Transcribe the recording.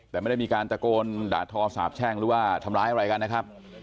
แต่ไม่ได้มีการตะโกนด่าทอสาบแช่งหรือว่าทำร้ายอะไรกันนะครับ